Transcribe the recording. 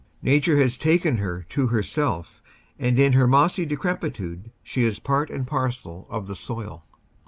Nature has taken her to herself and in her mossy decrepitude she is part and parcel of the soil.